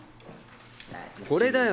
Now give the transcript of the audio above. これだよ。